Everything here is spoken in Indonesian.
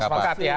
sudah sepakat ya